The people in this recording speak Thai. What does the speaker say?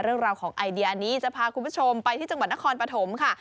เรื่องราวของไอเดียนี้จะพาคุณผู้ชมไปที่จังหวัดนครปฐมค่ะ